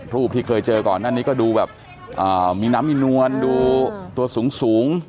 รูปที่เคยเจอก่อนหน้านี้ก็ดูแบบมีน้ำมีนวลดูตัวสูง